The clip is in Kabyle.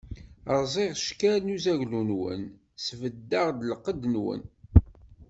Rẓiɣ cckal n uzaglu-nwen, sbeddeɣ lqedd-nwen.